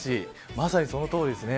まさに、そのとおりですね。